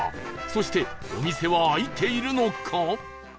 そしてお店は開いているのか？